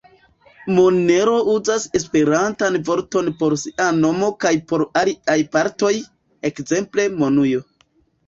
Monero uzas esperantan vorton por sia nomo kaj por aliaj partoj, ekzemple monujo.